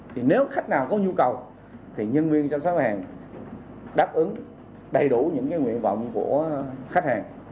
thì nếu khách nào có nhu cầu thì nhân viên chăm sóc hàng đáp ứng đầy đủ những nguyện vọng của khách hàng